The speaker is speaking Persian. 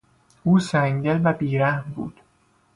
او سنگدل و بی رحم بود.